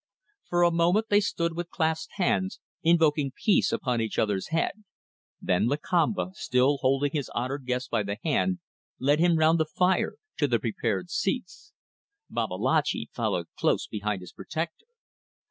For a moment they stood with clasped hands invoking peace upon each other's head, then Lakamba, still holding his honoured guest by the hand, led him round the fire to the prepared seats. Babalatchi followed close behind his protector.